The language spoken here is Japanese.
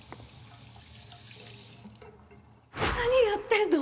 何やってるの？